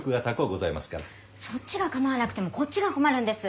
そっちが構わなくてもこっちが困るんです。